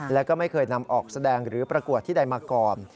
แล้วก็ไม่เคยนำออกแสดงหรือประกวดที่ใดมาก่อน